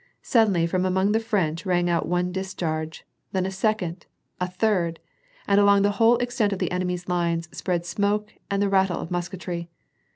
Suddenly, from among the ] French, rang out one discharge, then a second, a third ! and along the whole extent of the enemy's lines spread smoke and the rattle of musketry.